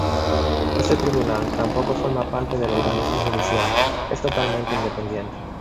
Este Tribunal tampoco forma parte del Organismo Judicial, es totalmente independiente.